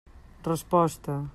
Resposta.